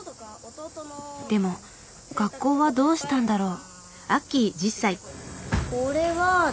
でも学校はどうしたんだろう？